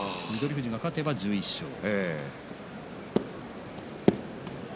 富士が勝てば１１勝です。